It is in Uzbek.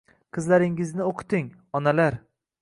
Qizlaringizni o‘qiting, onalar!